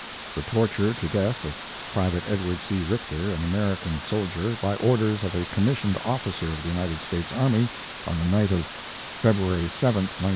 [The torture to death of Private Edward C. Richter, an American soldier, by orders of a commissioned officer of the United States army on the night of February 7, 1902.